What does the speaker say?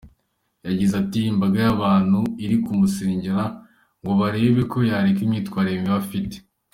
Yagize ati :« Imbaga y’abantu iri kumusengera ngo barebe ko yareka imyitwarire mibi afite.